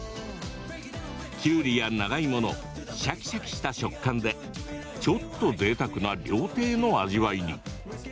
きゅうりや長芋のシャキシャキした食感でちょっと、ぜいたくな料亭の味わいに。